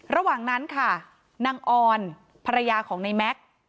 ระหว่างนั้นค่ะนางออนภรรยาของในแม็กซ์